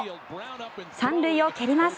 ３塁を蹴ります。